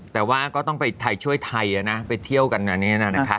แต่ว่าก็ต้องไปช่วยไทยนะไปเที่ยวกันอย่างนี้นะ